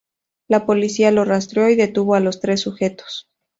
La policía los rastreó y detuvo a los tres sujetos.